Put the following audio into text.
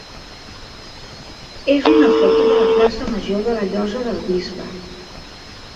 és una foto de la plaça major de la Llosa del Bisbe.